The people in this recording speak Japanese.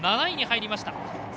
７位に入りました。